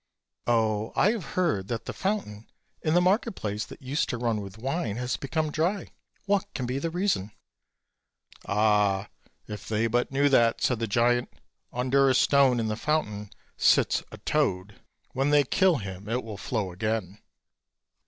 "Oh, I have heard that the fountain in the market place that used to run with wine has become dry; what can be the reason?" "Ah! if they but knew that," said the giant: "under a stone in the fountain sits a toad; when they kill him it will flow again."